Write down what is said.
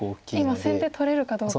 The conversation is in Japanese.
今先手取れるかどうか。